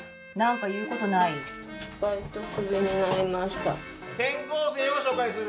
何か言うことない？